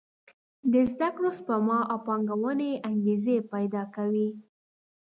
د زده کړو، سپما او پانګونې انګېزې پېدا کوي.